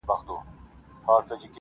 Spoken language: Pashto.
o نکړې چا راټولي ستا تر غېږي اواره ګرځي,